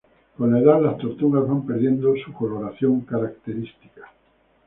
Con la edad las tortugas van perdiendo su coloración característica.